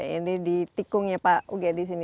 ini di tikungnya pak uge di sini